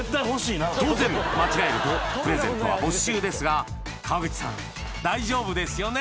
当然間違えるとプレゼントは没収ですが川口さん大丈夫ですよね？